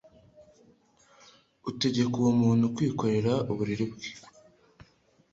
ategeka uwo muntu kwikorera uburiri bwe,